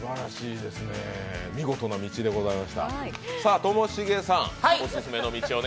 見事な道でございました。